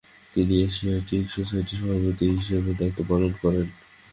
তিনি এশিয়াটিক সোসাইটির সভাপতি হিসেবে দায়িত্ব পালন করেন।